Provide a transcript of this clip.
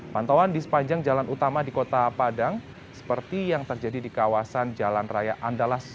pantauan di sepanjang jalan utama di kota padang seperti yang terjadi di kawasan jalan raya andalas